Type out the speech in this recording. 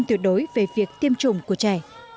tuyệt đối về việc tiêm chủng của trẻ